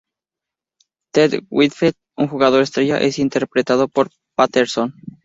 Ted Whitfield, un jugador estrella, es interpretado por Patterson.